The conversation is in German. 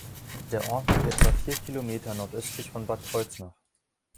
Der Ort liegt etwa vier Kilometer nordöstlich von Bad Kreuznach.